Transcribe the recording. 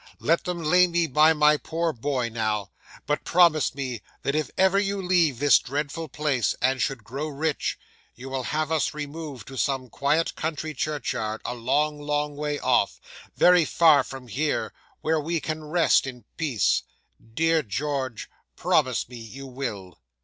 "Let them lay me by my poor boy now, but promise me, that if ever you leave this dreadful place, and should grow rich, you will have us removed to some quiet country churchyard, a long, long way off very far from here where we can rest in peace. Dear George, promise me you will."